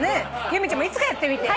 由美ちゃんもいつかやってみて。